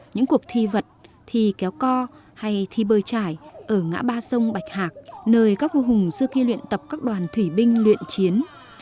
những cuộc thi vật thi kéo co hay thi bơi trải ở ngã ba sông bạch hạc nơi các vua hùng dư kia luyện tập các đoàn thủy binh luyện chiến